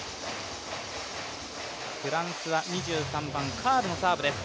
フランスは２３番、カールのサーブです。